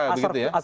dan itu atas